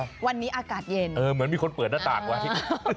วันนี้อากาศเย็นเออเหมือนมีคนเปิดหน้าต่างไว้